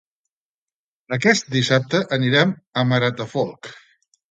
Aquest dissabte anirem al Maratafolk